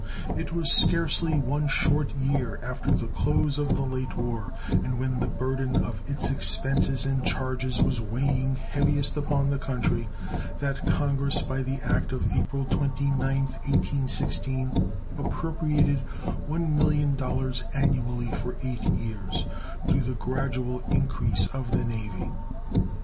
It was scarcely one short year after the close of the late war, and when the burden of its expenses and charges was weighing heaviest upon the country, that Congress, by the act of April 29th, 1816, appropriated $1,000,000 annually for eight years to the gradual increase of the Navy.